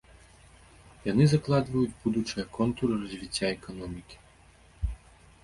Яны закладваюць будучыя контуры развіцця эканомікі.